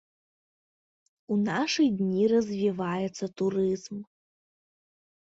У нашы дні развіваецца турызм.